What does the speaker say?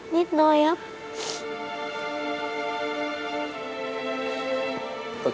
นิดหน่อยครับ